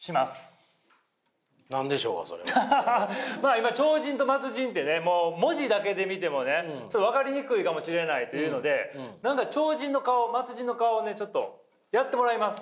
今超人と末人って文字だけで見てもねちょっと分かりにくいかもしれないというので何か超人の顔末人の顔をちょっとやってもらいます。